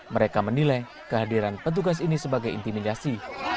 mereka menilai kehadiran petugas ini sebagai intimidasi